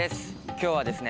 今日はですね